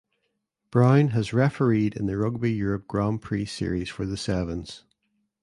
Brown has refereed in the Rugby Europe Grand Prix Series for the Sevens.